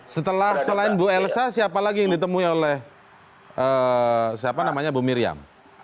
setelah selain bu elsa siapa lagi yang ditemui oleh siapa namanya bu miriam